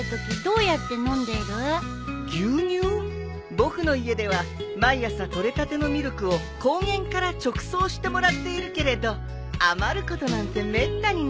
僕の家では毎朝取れたてのミルクを高原から直送してもらっているけれど余ることなんてめったにないな。